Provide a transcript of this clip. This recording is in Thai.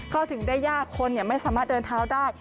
เข้าถึงได้ยากคนไม่สามารถเดินเท้าได้